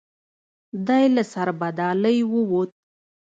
دی له سربدالۍ ووت.